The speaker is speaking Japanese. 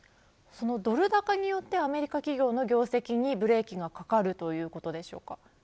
そのドル高によってはアメリカ企業の業績にブレーキがかかるということでしょうか。